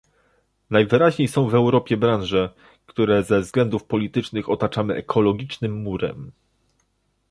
Najwyraźniej są w Europie branże, które ze względów politycznych otaczamy ekologicznym murem